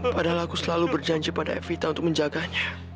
padahal aku selalu berjanji pada evita untuk menjaganya